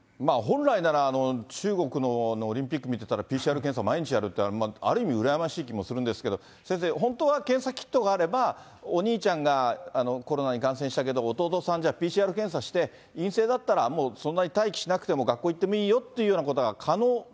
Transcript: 本来なら、中国のオリンピック見てたら、ＰＣＲ検査、毎日やるって、ある意味、羨ましい気もするんですけど、先生、本当は検査キットがあれば、お兄ちゃんがコロナに感染したけど、弟さん、じゃあＰＣＲ検査して、陰性だったらもうそんなに待機しなくても、学校行ってもいいよっていうことが可能。